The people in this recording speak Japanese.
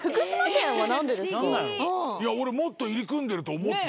俺もっと入り組んでると思った。